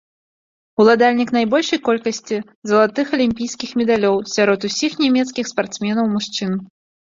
Уладальнік найбольшай колькасці залатых алімпійскіх медалёў сярод усіх нямецкіх спартсменаў-мужчын.